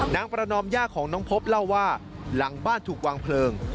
นางประนอมย่าของน้องพบเล่าว่าหลังบ้านถูกวางเพลิง